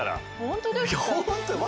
本当ですか？